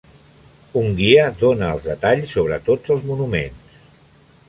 Un guia dóna els detalls sobre tots els monuments.